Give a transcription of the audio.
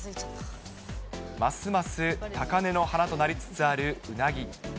ますます高根の花となりつつあるうなぎ。